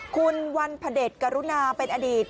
คุณวันพระเด็จกรุณาเป็นอดีต